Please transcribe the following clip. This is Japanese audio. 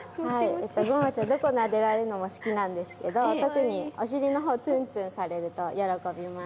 ごまちゃん、どこをなでられるのも好きなんですけど特にお尻のほうをツンツンされると喜びます。